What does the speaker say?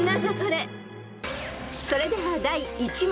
［それでは第１問］